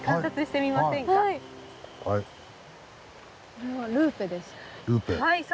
これはルーペです。